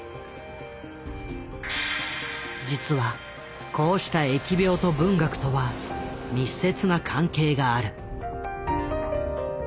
実はこうした疫病と文学とは密接な関係がある。